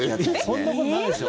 そんなことないでしょ。